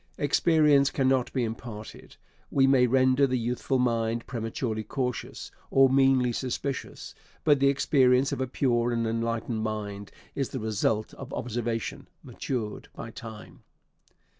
Experience cannot be imparted. We may render the youthful mind prematurely cautious, or meanly suspicious; but the experience of a pure and enlightened mind is the result of observation, matured by time.